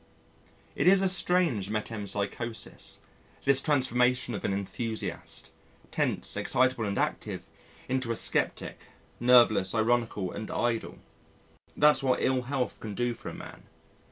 ... It is a strange metempsychosis, this transformation of an enthusiast tense, excitable, and active, into a sceptic, nerveless, ironical, and idle. That's what ill health can do for a man.